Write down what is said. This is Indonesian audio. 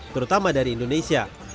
terutama dari indonesia